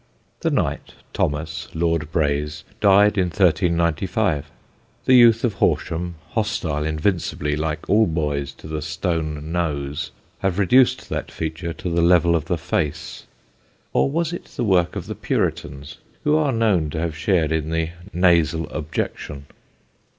The knight, Thomas, Lord Braose, died in 1395. The youth of Horsham, hostile invincibly, like all boys, to the stone nose, have reduced that feature to the level of the face; or was it the work of the Puritans, who are known to have shared in the nasal objection?